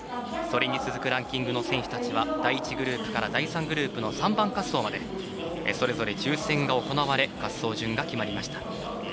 それに続くランキングの選手たちは第１グループから第２グループの３番滑走までそれぞれ抽せんが行われ滑走順が決まりました。